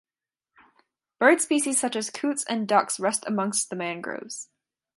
Bird species such as Coots and ducks rest amongst the mangroves.